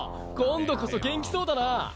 今度こそ元気そうだな。